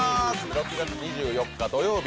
６月２４日土曜日